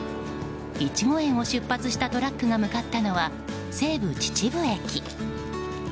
イチゴ園を出発したトラックが向かったのは西武秩父駅。